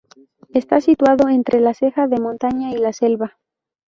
Está situado entre la ceja de montaña y la selva.